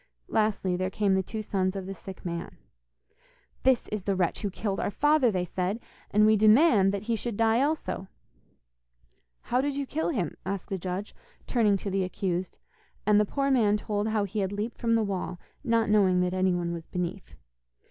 Lastly, there came the two sons of the sick man. 'This is the wretch who killed our father,' they said, 'and we demand that he should die also.' 'How did you kill him?' asked the judge, turning to the accused, and the poor man told how he had leaped from the wall, not knowing that anyone was beneath.